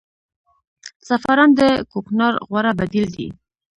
زعفران د کوکنارو غوره بدیل دی